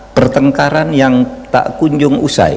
pertengkaran yang tak kunjung usai